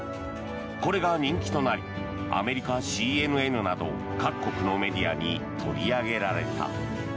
これが人気となりアメリカＣＮＮなど各国のメディアに取り上げられた。